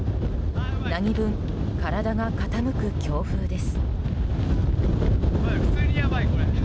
何分、体が傾く強風です。